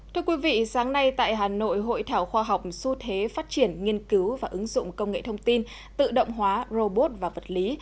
thưa quý vị sáng nay tại hà nội hội thảo khoa học xu thế phát triển nghiên cứu và ứng dụng công nghệ thông tin tự động hóa robot và vật lý